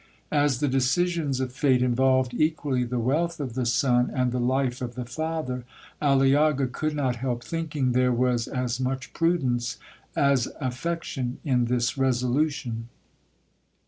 As the decisions of fate involved equally the wealth of the son, and the life of the father, Aliaga could not help thinking there was as much prudence as affection in this resolution.